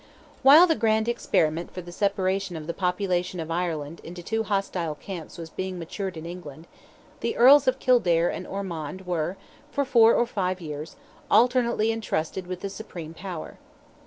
While the grand experiment for the separation of the population of Ireland into two hostile camps was being matured in England, the Earls of Kildare and Ormond were, for four or five years, alternately entrusted with the supreme power.